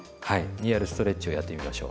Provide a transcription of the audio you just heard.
にやるストレッチをやってみましょう。